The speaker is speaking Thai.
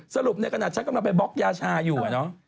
สรุปในขณะฉันกำลังไปบล็อกยาชาอยู่